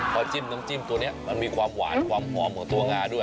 พอจิ้มน้ำจิ้มตัวนี้มันมีความหวานความหอมของตัวงาด้วย